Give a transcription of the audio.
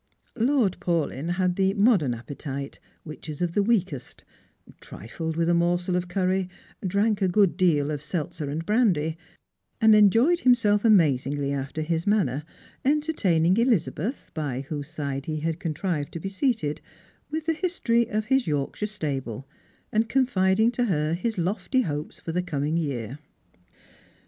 Lord Paulyn had the modern appetite, which is of the weakest, trided with a morsel of curry, drank a good deal of seltzer and brandy, and enjoyed him self amazingly after his manner, entertaining Elizabeth, by whose side he had contrived to be seated, with the history of hi« Yorkshire stable, and confiding to her his lofty hopes for the coming year.